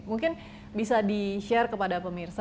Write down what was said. mungkin bisa di share kepada pemirsa